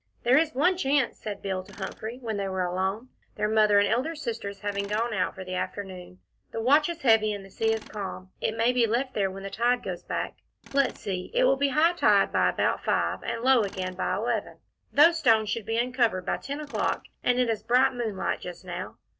"There is one chance," said Bill to Humphrey, when they were alone, their Mother and elder sisters having gone out for the afternoon, "the watch is heavy, and the sea is calm. It may be left there when the tide goes back. Let's see it will be high tide by about five, and low again by eleven. Those stones should be uncovered by ten o'clock, and it is bright moonlight just now.